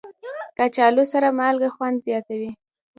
کچالو سره مالګه خوند زیاتوي